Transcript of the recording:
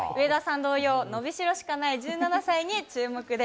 同様、伸びしろしかない１７歳に注目です。